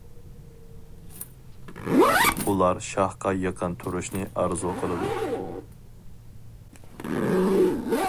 ئۇلار شاھقا يېقىن تۇرۇشنى ئارزۇ قىلىدۇ.